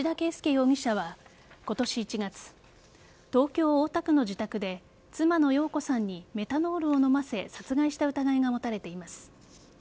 容疑者は今年１月東京・大田区の自宅で妻の容子さんにメタノールを飲ませ殺害した疑いが持たれています。